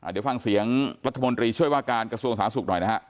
เดี๋ยวฟังเสียงรัฐมนตรีช่วยว่าการกระทรวงสาธารณสุขหน่อยนะฮะ